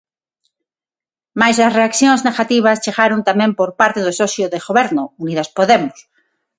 Mais as reaccións negativas chegaron tamén por parte do socio de goberno, Unidas Podemos.